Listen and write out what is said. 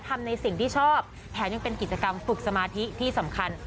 ทำในสิ่งที่ชอบแถมยังเป็นกิจกรรมฝึกสมาธิที่สำคัญ